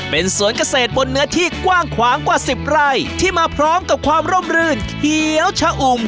เป็นสวนเกษตรบนเนื้อที่กว้างขวางกว่าสิบไร่ที่มาพร้อมกับความร่มรื่นเขียวชะอุ่ม